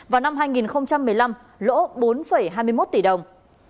vào năm hai nghìn một mươi năm lỗ bốn hai mươi một tỷ đồng